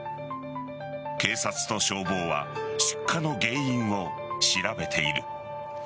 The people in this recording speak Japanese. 警察と消防は出火の原因を調べている。